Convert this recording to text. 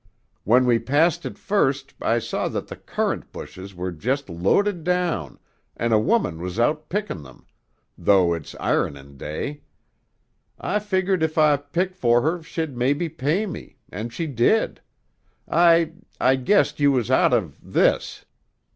"When we passed it first I saw that the currant bushes were just loaded down, an' a woman was out pickin' them, though it's ironin' day. I figgered if I pick for her she'd maybe pay me, an' she did. I I guessed you was out of this."